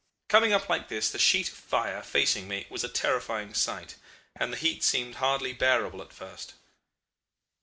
Coming up like this, the sheet of fire facing me, was a terrifying sight, and the heat seemed hardly bearable at first.